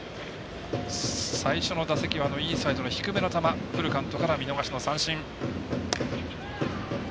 最初の打席はインサイドの低めの球フルカウントから見逃しの三振。